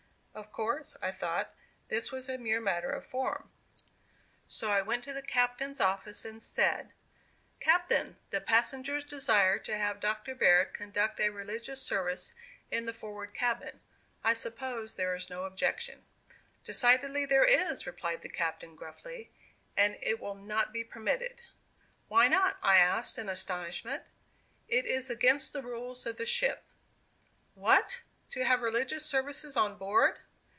Of course, I thought this was a mere matter of form; so I went to the captain's office, and said: "Captain, the passengers desire to have Dr. Baird conduct a religious service in the forward cabin. I suppose there is no objection." "Decidedly there is," replied the captain, gruffly; "and it will not be permitted." "Why not?" I asked, in astonishment. "It is against the rules of the ship." "What! to have religious services on board?"